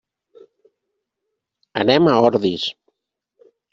Anem a Ordis.